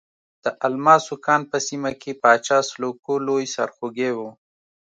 د الماسو کان په سیمه کې پاچا سلوکو لوی سرخوږی وو.